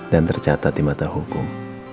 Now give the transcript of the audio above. dan tercatat di mata hukum